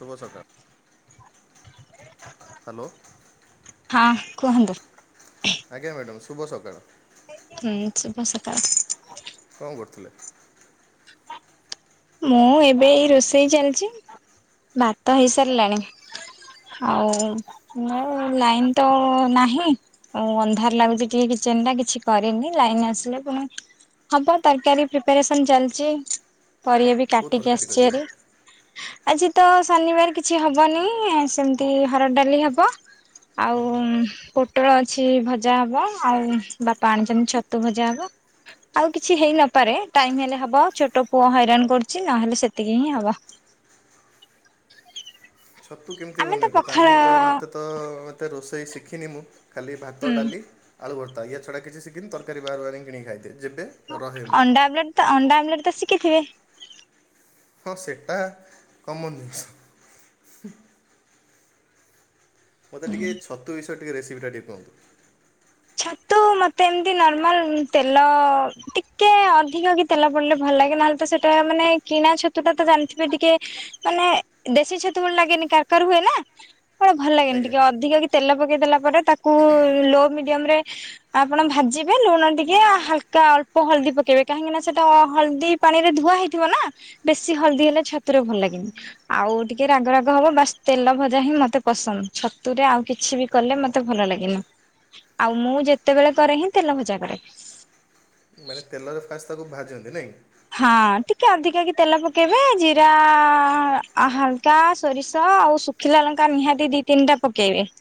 ଶୁଭ ସକାଳ ହ୍ୟାଲୋ। ହଁ କୁହନ୍ତୁ? ଆଜ୍ଞା ମ୍ୟାଡ଼ାମ ଶୁଭ ସକାଳ। ହୁଁ ଶୁଭ ସକାଳ। କଣ କରୁଥିଲେ? ମୁଁ ଏବେ ଏଇ ରୋଷେଇ ଚାଲିଛି ଭାତ ହେଇସାରିଲାଣି। ଆଉ ମୁଁ ଲାଇନତ ନାହିଁ ଆଉ ଅନ୍ଧାର ଲାଗୁଛି ଟିକେ କିଚେନ ଟା କିଛି କରିନି ଲାଇନ ଆସିଲେ ପୁଣି ହବ ତରକାରୀ ପ୍ରିପାରେସନ ଚାଲିଛି ପରିବା ବି କୋଉ କାଟିକି ତରକାରୀ ଆସିଛି କରିବେ? ହେରି। ଆଜି ତ ଶନିବାର କିଛି ହବନି ସେମିତି ହରଡ ଡାଲି ହବ। ଆଉ ପୋଟଳ ଅଛି ଭଜା ହବ ଆଉ ବାପା ଆଣିଛନ୍ତି ଛତୁ ଭଜା ହବ। ଆଉ କିଛି ହେଇ ନପାରେ ଟାଇମ ହେଲେ ହବ ଛୋଟ ପୁଅ ହଇରାଣ କରୁଛି ନହେଲେ ସେତିକି ହିଁ ହବ। ଛତୁ କେମିତି ଆମେ ତ ବନେଇବ ତାହା ପଖାଳ ମୁଁ ତ ମୋତେ ତ ଏତେ ରୋଷେଇ ଶିଖିନି ମୁଁ ଖାଲି ଭାତ ହୁଁ ଡାଲି ଆଳୁ ଭର୍ତ୍ତା ୟାଛଡ଼ା କିଛି ଶିକିନି ତରକାରୀ ବାର ବାର ହିଁ କିଣିକି ଖାଇଦିଏ ଯେବେ ହଁ ରହେ ମୁଁ। ଅଣ୍ଡା ଆମ୍ଲେଟ ତ ଅଣ୍ଡା ଆମ୍ଲେଟ ତ ଶିଖିଥିବେ? ହଁ ସେଟା କମନ୍ ଜିନିଷ। ମୋତେ ଟିକେ ଛତୁ ବିଷୟ ଟିକେ ରେସିପିଟା ଟିକେ କୁହନ୍ତୁ। ଛତୁ ମତେ ଏମିତି ନର୍ମାଲ ତେଲ ଟିକେ ଅଧିକ କି ତେଲ ପଡିଲେ ଭଲ ଲାଗେ ନହେଲେ ତ ସେଟା ମାନେ କିଣା ଛତୁ ଟା ତ ଜାଣିଥିବେ ଟିକେ ମାନେ ଦେଶୀ ଛତୁଭଳି ଲାଗେନି କାରୁ କାରୁ ହୁଏ ନା? କଣ ଭଲ ଲାଗେନି ଆଜ୍ଞା। ଟିକେ ଅଧିକ କି ତେଲ ପକେଇ ଦେଲା ପରେ ତାକୁ ଲୋ ମିଡିୟମ ରେ ଆପଣ ଭାଜିବେ ଲୁଣ ଟିକେ ହାଲକା ଅଳ୍ପ ହଳଦୀ ପକେଇବେ କାହିଁକି ନା ସେଟା ଅ ହଳଦୀ ପାଣି ରେ ଧୁଆ ହେଇଥିବ ନା ବେଶୀ ହଳଦୀ ହେଲେ ଛାତୁ ରେ ଭଲ ଲାଗେନି। ଆଉ ଟିକେ ରାଗ ରାଗ ହବ ବାସ ତେଲ ଭଜା ହିଁ ମତେ ପସନ୍ଦ ଛତୁରେ ଆଉ କିଛି ବି କଲେ ମତେ ଭଲ ଲାଗେନି। ଆଉ ମୁଁ ଯେତେବେଳେ କରେ ହିଁ ତେଲ ଭଜା କରେ। ମାନେ ତେଲରେ ଫାସ୍ ତାକୁ ଭାଜନ୍ତି ନାଇଁ? ହଁ ଟିକେ ଅଧିକା କି ତେଲ ପକେଇବେ ଜିରା ଆ ହାଲକା ସୋରିଷ ଆଉ ସୁ ଖିଲା ଲଙ୍କା ନିହାତି ଦି ତିନିଟା ପକେଇବେ।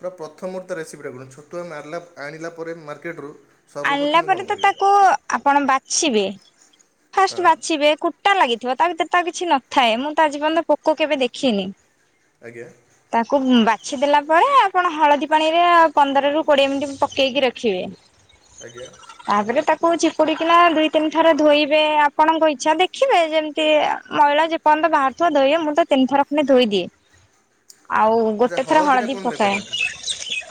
ପୁରା ପ୍ରଥମ ରୁ ତା ରେସିପିଟା କୁହନ୍ତୁ ଛତୁ ଆମେ ମାରିଲା ଆଣିଲା ପରେ ମାର୍କେରୁ ଆଣିଲା ପରେ ତ ତାକୁ ଆପଣ ବାଛିବେ ହଁ ଫାଷ୍ଟ ବାଛିବେ କୁ କୁଟା ଲାଗିଥିବ ତା ଭିତରେ ତା କିଛି ନଥାଏ ମୁଁ ତ ଆଯି ପର୍ଯ୍ୟନ୍ତ ପୋକ କେବେ ଦେଖିନି। ଆଜ୍ଞା? ତାକୁ ବାଛି ଦେଲା ପରେ ଆପଣ ହଳଦୀ ପାଣିରେ ଅ ପନ୍ଦରରୁୁ କୋଡ଼ିଏ ମିନିଟ୍ ପକେଇକି ରଖିବେ ଆଜ୍ଞା? ତାପରେ ତାକୁ ଚିପୁଡିକିନା ଦୁଇ ତିନି ଥର ଧୋଇବେ ଆପଣଙ୍କ ଇଚ୍ଛା ଦେଖିବେ ଯେମିତି ଆ ମଇଳା ଯେ ପର୍ଯ୍ୟନ୍ତ ବାହାରୁଥିବ, ଧୋଇବେ, ମୁଁ ତ ତିନି ଥର ଧୋଇ ଦିଏ। [inaudible] ଆଉ ଆଚ୍ଛା ଗୋଟେ ଥର ହଳଦୀଟା ହଳଦୀ କଣ ପାଇଁ ପକାଏ। ପକାନ୍ତି?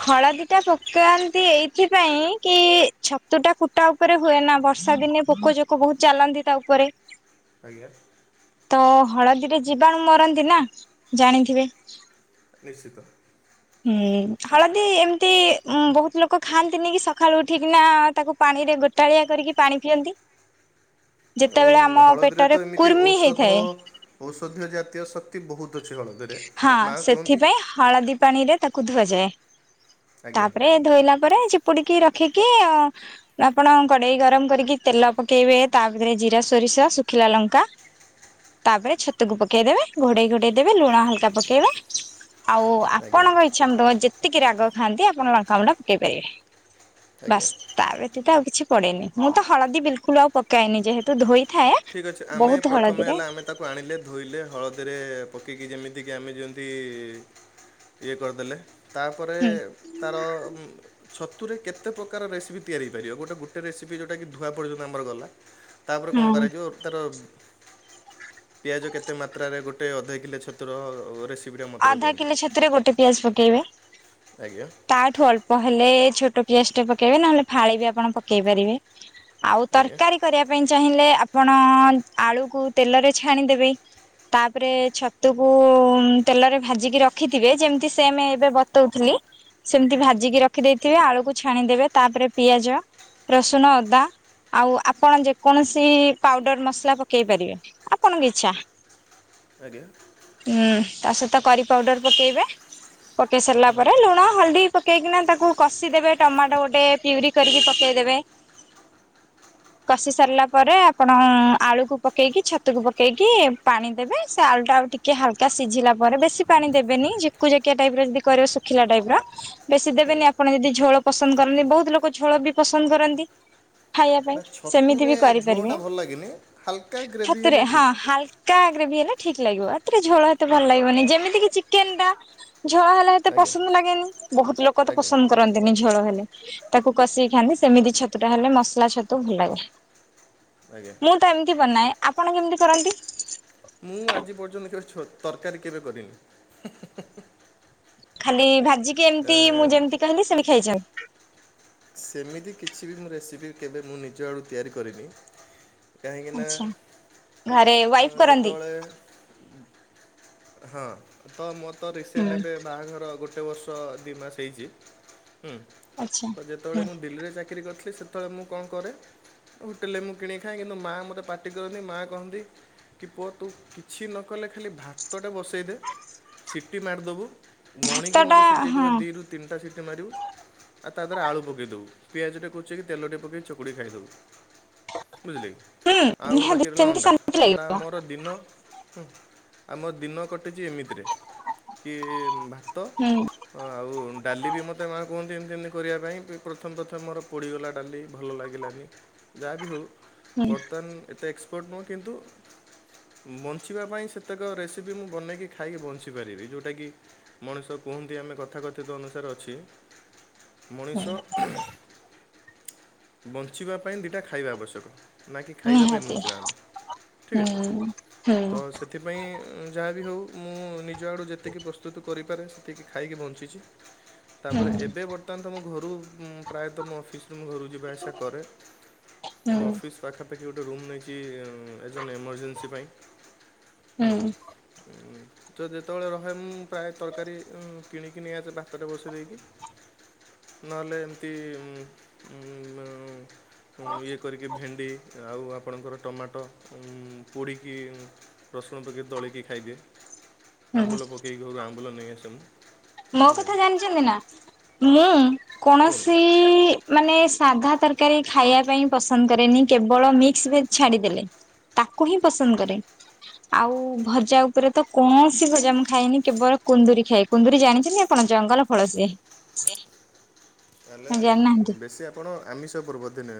ହଳଦୀ ଟା ପକାନ୍ତି ଏଇଥିପାଇଁ କି ହ ହଁ [inaudible] ଛତୁ ଟା କୁଟା ଉପରେ ହୁଏ ନା ବର୍ଷା ଦିନେ ପୋକ ଚୋକ ବହୁତ ଚାଲନ୍ତି ତା ଉପରେ। ଆଜ୍ଞା। ତ ହଳଦୀରେ ଯିବାଣୁ ମରନ୍ତି ନା ଜାଣିଥିବେ? ନିଶ୍ଚିତ। ହୁଁ ହଳଦୀ ଏମିତି ବହୁତ ଲୋକ ଖାଆନ୍ତିନି କି ସକାଳୁ ଉଠିକିନା ତାକୁ ପାଣିରେ ଗୋଟାଳିଆ କରିକି ପାଣି ପିଅନ୍ତି। ଉ ଯେତେବେଳେ ଆମ ହଳଦୀରେ ପେଟରେ ତ ଏମିତି କୁର୍ମି ଔଷଧ ହେଇଥାଏ ଔଷଧୀୟ ଜାତୀୟ ସ କ୍ତି ବହୁତ ଅଛି ହଳଦୀରେ ହଁ ମାଆ କୁହନ୍ତି। ସେଥିପାଇଁ ହଳଦୀ ପାଣିରେ ତାକୁ ଧୁଆଯାଏ ଆଜ୍ଞା। ତାପରେ ଧୋଇଲା ପରେ ଚିପୁଡିକି ରଖିକି ଆପଣ କଡ଼େଇ ଗରମ କରିକି ତେଲ ପକାଇବେ ତା ଭିତରେ ଜିରା, ସୋରିଷ, ଶୁଖିଲା ଲଙ୍କା ତାପରେ ଛତୁକୁ ପକେଇଦେବେ ଘୋଡେଇ ଘୋଡେଇ ଦେବେ ଲୁଣ ହଲକା ପକେଇବେ ଆଉ ଆଜ୍ଞା ଆପଣଙ୍କ ଛାମଙ୍କ ଯେତିକି ରାଗ ଖାଆନ୍ତି ଆପଣ ଲଙ୍କା ଗୁଣ୍ଡ ପକେଇ ପାରିବେ ଆଜ୍ଞା। ବାସ୍। ତା ବ୍ୟତୀତ ଆଉ କିଛି ପଡେନି ମୁଁ ତ ହଳଦୀ ବିଲକୁଲ ଆଉ ପକଏନି ଯେହେତୁ ଧୋଇଥାଏ। ଠିକ୍ ଅଛି ଆମେ ବହୁତ ପ୍ରଥମେ ହଳଦୀରେ ହେଲା ଆମେ ତାକୁ ଆଣିଲେ ଧୋଇଲେ ହଳଦୀରେ ପକେଇକି ଯେମିତିକି ଆମେ ଯେମିତି ଇଏ କରିଦେଲେ ତାପରେ ହୁଁ ତାର ଛତୁରେ କେତେ ପ୍ରକାର ରେସିପି ତିଆରି ହୋଇପାରିବ ଗୋଟେ ଗୋଟେ ରେସିପି ଯେଉଁଟାକି ଧୁଆ ପର୍ଯ୍ୟନ୍ତ ଆମର ଗଲା। ତାପ କଣ ହୁଁ କରାଯ ତାର ପିଆଜ କେତେ ମାତ୍ରାରେ ଗୋଟେ ଅଧା କିଲେ ଛତୁରେ ରେସି ଆଧା କିଲୋ ଛତୁରେ ଗୋଟେ ପିଆଜ ପକେଇବେ। ଆଜ୍ଞା! ତାଠୁ ଅଳ୍ପ ହେଲେ ଛୋଟ ପିଆଜ ଟେ ପକେଇବେ ନହେଲେ ଫାଳେ ବି ଆପଣ ପକେଇ ପାରିବେ। ଆଉ ଆଜ୍ଞା ତରକାରୀ କରିବା ପାଇଁ ଚାହିଁଲେ ଆପଣ ଆଳୁକୁ ତେଲରେ ଛାଣିଦେବେ। ତାପରେ ଛତୁକୁ ତେଲରେ ଭାଜିକି ରଖିଥିବେ ଯେମିତି ସେ ଆମେ ଏବେ ବତଉଥିଲି। ସେମିତି ଭାଜିକି ରଖି ଦେଇେଇଥିବେ ଆଳୁକୁ ଛାଣିଦେବେ ତାପରେ ପିଆଜ, ରସୁଣ, ଅଦା ଆଉ ଆପଣ ଯେକୌଣସି ପାଉଡର ମସଲା ପକେଇ ପାରିବେ ଆପଣଙ୍କ ଇଚ୍ଛା। ଆଜ୍ଞା! ହୁଁ ତା ସହିତ କରି ପାଉଡର ପକେଇବେ ପକେଇ ସାରିଲା ହଁ ପରେ ଲୁଣ ହଳଦୀ ପକେଇକିନା ତାକୁ କଷିଦେବେ ଟମାଟୋ ଗୋଟେ ପିଉରି କରିକି ପକେଇଦେବେ। [inaudible] କଷି ସାରିଲା ପରେ ଆପଣ ଆଳୁକୁ ପକେଇକି ଛତୁକୁ ପକେଇକି ପାଣି ଦେବେ ସେ ଆଳୁ ଟା ଆଉ ଟି କି ହାଲକା ସିଝିଲା ପରେ ବେଶୀ ପାଣି ଦେବେନି ଝକୁ ଜକିଆ ଟାଇପ ର ଯଦି କରିବ ଶୁଖିଲା ଟାଇପ ର ବେଶୀ ଆଜ୍ଞା। ଦେବେନି ଆପଣ ଯଦି ଝୋଳ ପସନ୍ଦ କରନ୍ତି ବହୁତ ଲୋକ ଝୋଳ ବି ପସନ୍ଦ କରନ୍ତି। ଖାଇବା ପାଇଁ ନା ସେମିତି ଛତୁରେ ବି କରିପାରିବେ ଝୋଳଟା ଭଲ ଲାଗେନି ହାଲକା ଗ୍ରେଭି ହାତରେ ହେଲେ ହା ଠିକ୍। କା ଗ୍ରେଭି ହେଲା ଠିକ ଲାଗିବ ଏଥିରେ ଝୋଳ ଏତେ ଭଲ ଲାଗିବନି ଯେମିତି କି ଚିକେନ ଟା। ଝୋଳ ହେଲେ ଏତେ ଆଜ୍ଞା ପସନ୍ଦ ଲାଗେନି ବହୁତ ଲୋକ ତ ଆଜ୍ଞା ପସନ୍ଦ କରନ୍ତିନି ଝୋଳ ହେଲେ। ତାକୁ କଷେଇ ଖାଆନ୍ତି ସେମିତି ଛତୁ ଟା ହେଲେ ମସଲା ଛତୁ ଭଲ ଲାଗେ। ଆଜ୍ଞା। ମୁଁ ତ ଏମିତି ବନାନ ଆପଣ କେମିତି କରନ୍ତି? ମୁଁ ଆଜି ପର୍ଯ୍ୟନ୍ତ କେବେ ଛୋ ତରକାରୀ କେବେ କରିନି। ଖାଲି ଭାଜିକି ଏମିତି ମୁଁ ଏଁ ଯେମିତି କହିଲି ସେମିତି ଖାଇଚନ୍ତି? ସେମିତି କିଛି ବି ମୋ ରେସିପି କେବେ ମୁଁ ନିଜ ଆଡ଼ୁ ତିଆରି କରିନି। କାହିଁକିନା ଆଚ୍ଛା ଘରେ ଅଁ ୱାଇଫ କରନ୍ତି? ଯେତେବେଳେ ହଁ ତ ମୋ ତ ହୁଁ ରିସେଣ୍ଟ ଏବେ ବାହାଘର ଗୋଟେ ବର୍ଷ ତ ଦି ମାସ ହେଇଚି ହୁଁ ଆଚ୍ଛା ତ ଯେତେବେଳେ ହୁଁ ମୁଁ ଦିଲ୍ଲିରେ ଚାକିରି କରିଥିଲି ସେତେବେଳେ ମୁଁ କଣ କରେ ହୋଟେଲରେ ମୁଁ କିଣି ଖାଏ କିନ୍ତୁ ମା ମୋତେ ପାର୍ଟି କରନ୍ତି ମା କହନ୍ତି କି ପୁଅ ତୁ କିଛି ନ କଲେ ଖାଲି ଭାତଟେ ବସ ଟେ ଇ ଦେ ସିଟି ମାରିଦବୁ ଭାତ ଗଣିକି ଟା ମତେ ସିଟି ହଁ ଦବ ଦୁଇ ତିନିଟା ସିଟି ମାରିବୁ ଆ ତା ଦେହରେ ଆଳୁ ପକେଇ ପକେଇ ଦଉ ପିଆଜଟେ କୁଚେଇକି ତେଲଟେ ପକେଇକି ଚକୁଡ଼ି ଖାଇଦେଉ ବୁଝିଲେ କି। ହୁଁ ଆଉ ନିହାତି ବାକି ରହିଲା ସେମିତି ଅଣ୍ଡା ଶାନ୍ତି ଅଣ୍ଡା ଲାଗିବ ମୋର ଦିନ ଆମ ଦିନ କଟିଚି ଏମିତିରେ କି ଭାତ ହୁଁ। ହଁ ଆଉ ଡାଲି ବି ମୋତେ ମା କୁହନ୍ତି ଏମିତି ଏମିତି କରିବା ପାଇଁ ପ୍ରଥମ ପ୍ରଥମ ମୋର ପୋଡ଼ିଗଲା ଡାଲି ଭଲ ଲାଗିଲାନି ଯାହା ବିି ହେଉ ହୁଁ ବର୍ତ୍ତମାନ ଏତେ ଏକ୍ସପୋର୍ଟ ନୁହେଁ କିନ୍ତୁ ବଞ୍ଚିବା ପାଇଁ ସେତେକ ରେସିପି ମୁଁ ବନେଇକି ଖାଇକି ବଞ୍ଚିପାରିବି ଯେଉଁଟା କିି ମଣିଷ କୁହନ୍ତି ଆମେ କଥାକଥିତ ଅନୁସାରେ ଅଛି। ମଣିଷ ବଞ୍ଚିବା ପାଇଁ ଦିଇଟା ଖାଇବା ଆବଶ୍ୟକ। ନା କି ଖାଇବା ପାଇଁ ନିହାତି ବୁଞ୍ଚିବା ଆମେ ଠିକ୍ ଅଛି ହୁଁ ହୁଁ ତ ସେଥିପାଇଁ ଯାହା ବିି ହଉ ମୁଁ ନିଜ ଆଡ଼ୁ ଯେତିକି ପ୍ରସ୍ତୁତ କରିପାରେ ଖାଇକି ବଞ୍ଚିଚି ତାପରେ ଏବେ ବର୍ତ୍ତମାନ ତୁମ ଘରୁ ମୁଁ ପ୍ରାୟତଃ ମୋ ଅଫିସ୍ ରୁ ମୁଁ ଘରକୁ ଯିବା ଆସିବା କରେ ହୁଁ ମୋ ଅଫିସ୍ ପାଖାପାଖି ଗୋଟେ ରୁମ୍ ନେଇକି ଏଜନ୍ ଏମର୍ଜେନ୍ସି ପାଇଁ ହୁଁ। ତ ଯେତେବେଳେ ରହେ ମୁଁ ପ୍ରାୟ ତରକାରୀ କିଣିକି ନେଇଆସେ ଭାତ ଟେ ବସେଇ ଦେଇକି ନହେଲେ ଏମିତି ଉଁ ଉମ ଇଏ କରିକି ଭେଣ୍ଡି ଆଉ ଆପଣଙ୍କର ଟମାଟୋ ପୋଡ଼ିକି ରସୁଣ ପକେଇି ଦଳିକି ଖାଇଦିଏ ହୁଁ ଆମ୍ବୁଲ ପକାଇକି ଘରୁ ଆମ୍ବୁଲ ନେଇ ଆସେ ମୁଁ। ମୋ ହେଲା କି କଥା ଜାଣିଛନ୍ତି ନା ମୁଁ କୁହନ୍ତୁ। କୌଣସି ମାନେ ସାଧା ତରକାରୀ ଖାଇବା ପାଇଁ ପସନ୍ଦ କରେନି କେବଳ ମିକ୍ସ ଭେଜ ଛାଡିଦେଲେ। ତାକୁ ହିଁ ପସନ୍ଦ କରେ। ଆଉ ଭଜା ଉପରେ ତ କୌଣସି ଭଜା ମୁଁ ଖାଇଏନି କେବଳ କୁନ୍ଦୁରି ଖାଏ କୁନ୍ଦୁରି ଜାଣିଛନ୍ତି ଆପଣ ଜଙ୍ଗଲ ଫଳ ସିଏ? ତାହେଲେ ଜାଣିନାହାନ୍ତି ବେଶୀ ଆପଣ ଆମିଷ ପୂର୍ବର୍ତ୍ତିନେ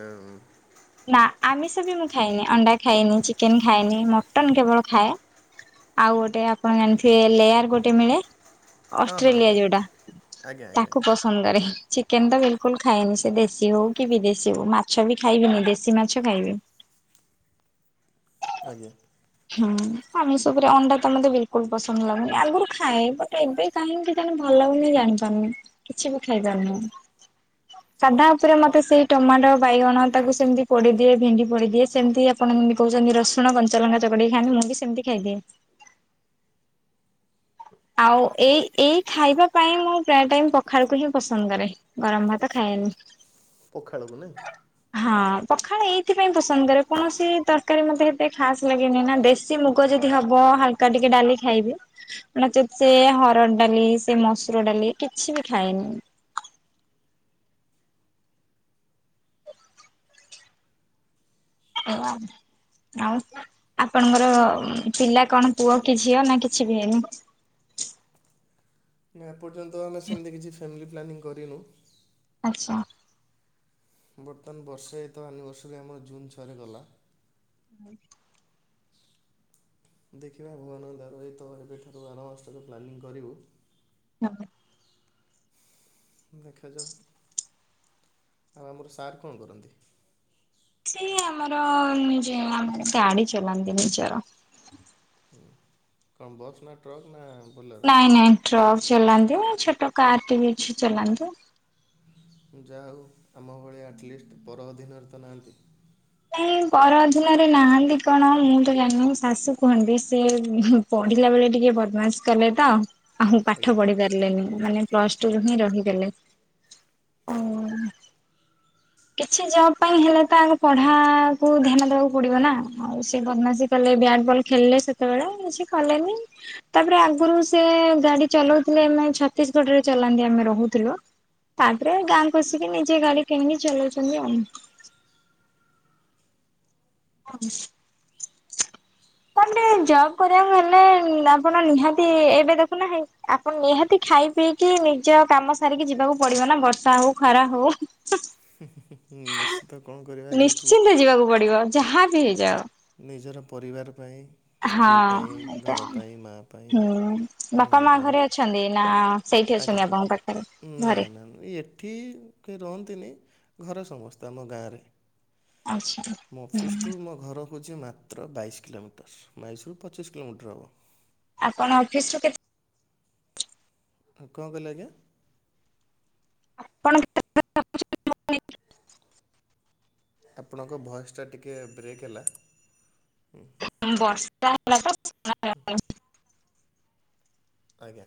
ନା ଆମିଷ ବି ମୁଁ ଖାଇନି ଅଣ୍ଡା ଖାଇନି ଚିକେନ୍ ଖାଏନି ମଟନ୍ କେବଳ ଖାଏ। ଆଉ ଗୋଟେ ଆପଣ ଜାଣି ଥିବେ ଲେୟାର ଗୋଟେ ମିଳେ? ହଁ ଅଷ୍ଟ୍ରେଲିଆ ହଁ ଯୋଉଟା ଆଜ୍ଞା ଆଜ୍ଞା ତାକୁ ଆଜ୍ଞା ପସ ରେ ଚିକେନ ତ ବିଲକୁଲ ଖାଏନି ସେ ଦେଶୀ ହଉ କି ବିଦେଶୀ ହଉ ମାଛ ବି ଖାଇବନି ଦେ [unintelligible] ଶୀ ମାଛ ଖାଏନି। ଆଜ୍ଞା। ହୁଁ ଆମିଷ ଉପରେ ଅଣ୍ଡା ତ ମତେ ବ ପସନ୍ଦ ଲାଗୁନି ଆଗରୁ ଖାଏ ବଟ ଏବେ କାହିଁକି କେଜାଣି ଭଲ ଲାଗୁନି ଜାଣିପାରୁନି। କିଛି ବି ଖାଇପାରୁନି। ଁ [inaudible] ସାଧା ଉପରେ ମତେ ସେଇ ଟମାଟୋ ବାଇଗଣ ତାକୁ ସେମିତି ପୋଡିଦିଏ ଭେଣ୍ଡି ପୋଡ଼ିଦିଏ ସେମିତି ଆପଣ ମୁମି କହୁଛନ୍ତି ରସୁଣ କଞ୍ଚଲଙ୍ଗା ଚକଟି କି ଖାଆନ୍ତି ମୁଁ ବିି ସେମିତି ଖାଇଦିଏ ଆଉ ଏଇ ଏଇ ଖାଇବା ପାଇଁ ମୁଁ ପ୍ରାୟ ଟାଇମ ପଖାଳକୁ ହିଁ ପସନ୍ଦ କରେ। ଗରମ ଭାତ ଖାଏନି। ପଖାଳକୁ ନାଇଁ ହଁ ପଖାଳ ଏଇଥିପାଇଁ ପସନ୍ଦ କରେ କୌଣସି ତ ତରକାରୀ ମୋତେ ଏତେ ଖାସ୍ ଲାଗେନି ନା ଦେଶୀ ମୁଗ ଯଦି ହବ ହାଲକା ଟିକେ ଡାଲି ଖାଇବି ନଚତ ସେ ହରଡ଼ ଡାଲି ସେ ମସୁର ଡାଲି କିଛି ବି ଖାଏନି। ଅ ଆ। ଆଉ ଆପଣଙ୍କର ପିଲା କଣ ପୁଅ କି ଝିଅ ନା କିଛି ବି ହେଇନି? ନା ଏପର୍ଯ୍ୟନ୍ତ ଆମେ ସେମିତି କିଛି ଫ୍ୟାମିଲି ପ୍ଲାନିଂ କରିନୁ। ଆଚ୍ଛା। ବର୍ତ୍ତମାନ ବର୍ଷେ ତ ଆନିଭର୍ସରୀ ଆମର ଜୁନ୍ ଛଅରେ ଗଲା। ହୁଁ। ଦେଖିବା ଭବବାନଙ୍କ ଦୟାରୁ ଏଇ ତ ଏବେଠାରୁ ଆର ମାସ ଠାରୁ ପ୍ଲାନିଂ କରିବୁ। [unintelligible] ଦେଖାଯାଉ। ଆଉ ଆମର ସାର୍ କଣ କରନ୍ତି? ସେ ଆମର ନିଜେ ଆମର ଗାଡି ଚଲାନ୍ତି ନିଜର। ହ କଣ ବସ୍ ନା ଟ୍ରକ ନା ବୋଲେରୋ? ନାଇଁ ନାଇଁ ଟ୍ରକ୍ ଚଲାନ୍ତି, ଛୋଟ କାର୍ ଟି ବି ଅଛି ଚଲାନ୍ତି। ଯାହା ହଉ ଆମ ଭଳିଆ ଆଟଲିଷ୍ଟ ପର ଅଧୀିନରେ ତ ନାହାଁନ୍ତି। ନାଇଁ ପର ଅଧୀିନରେ ନାହାନ୍ତି କଣ ମୁଁ ତ ଜାଣିନି ଶାଶୁ କୁହନ୍ତି ସେ ପଢିଲା ବେଳେ ଟିକେ ବଦମାସ କଲେ ତ ଆଉ ପାଠ ଆଜ୍ଞା ପଢି ପାରିଲେନି ମାନେ ପ୍ଲସ ଟୁ ରୁ ହିଁ ଆଜ୍ଞା। ରହି ଗଲେ ଆଉ କିଛି ଜବ ପାଇଁ ହେଲେ ତ ପଢା କୁ ଧ୍ୟାନ ଦେବାକୁ ପଡିବ ନା ଆଉ ସେ ବଦମାଶୀ କଲେ ବ୍ୟାଟ୍ ବଲ୍ ଖେଳିଲେ ସେ ସେତେବେଳେ କିଛି କଲେନି। ତାପରେ ଆଗରୁ ସେ ଗାଡି ଚଲଉଥିଲେ ମାନେ ଛତିଶଗଡରେ ଚଲାନ୍ତି ଆମେ ରହୁଥିଲୁ। ତାପରେ ଗାଁକୁ ଆସିକି ନିଜେ ଗାଡି କିଣିକି ଚଲଉଛନ୍ତି ଆଉ। ହଁ। ତାପରେ ଜବ୍ କରିବାକୁ ହେଲେ ଆପଣ ନିହାତି ଏବେ ଦେଖୁନା ହେଇ ଆପଣ ନିହାତି ଖାଇ ପିଇକି ନିଜ କାମ ସାରିକି ଯିବାକୁ ପଡିବ ନା ବର୍ଷା ହଉ ଖରା ହଉ। ହ। ହି ହି ନିଶ୍ଚିତ କଣ କରିବା ଯେହେତୁ ନିଶ୍ଚିନ୍ତ ଯିବାକୁ ପଡିବ। ଯାହା ବି ହେଇଯାଉ। ନିଜର ପରିବାର ପାଇଁ। ସ୍ତ୍ରୀ ହଁ ପାଇଁ, ଏଇଟା ଘର ପାଇଁ, ମାଆ ପାଇଁ, ହୁଁ ବାପା ଭଉଣୀ ମା ପାଇଁ ଘରେ ଅଛନ୍ତି ନା ସେଇଠି ଅଛନ୍ତି ଆଜ୍ଞା ଆପଣଙ୍କ ପାଖରେ ନା ଘରେ ନା। ଏଠି କେହି ରହନ୍ତିନି ଘର ସମସ୍ତେ ଆମ ଗାଁରେ। ଆଚ୍ଛା। ମୋ ହୁଁ ଅଫିସଠୁ ମୋ ଘର ହୁଛି ମାତ୍ର ବାଇଶ କିଲୋମିଟର୍ ବାଇଶ ରରୁ ପଚିଶ କିଲୋମିଟର ହେବ। ଆପଣ ଅଫିସ ରୁ କେତେ ହ କଣ କହିଲେ ଆଜ୍ଞା? ଆପଣ କେତେ ଆପଣଙ୍କ ଭଏସ୍ ଟା ଟିକେ ବ୍ରେକ୍ ହେଲା। ବର୍ଷା ହେଲା ତ [inaudible] ଆଜ୍ଞା।